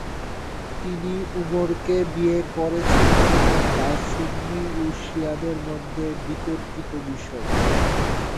তিনি উমরকে বিয়ে করেছেন কিনা তা সুন্নী ও শিয়ার মধ্যে বিতর্কিত বিষয়।